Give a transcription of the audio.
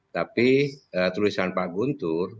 tapi tulisan pak guntur